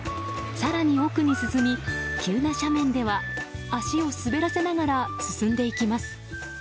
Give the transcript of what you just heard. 更に奥に進み、急な斜面では足を滑らせながら進んでいきます。